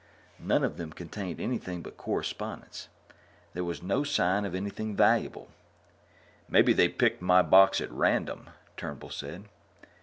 None of them contained anything but correspondence. There was no sign of anything valuable. "Maybe they picked my box at random," Turnbull said.